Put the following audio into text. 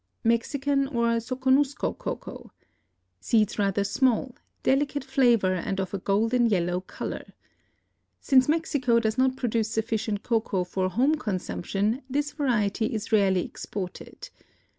Mexican or Soconusco Cocoa.—Seeds rather small, delicate flavor and of a golden yellow color. Since Mexico does not produce sufficient cocoa for home consumption this variety is rarely exported.